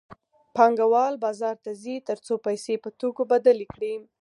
پانګوال بازار ته ځي تر څو پیسې په توکو بدلې کړي